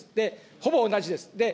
ほぼ同じです。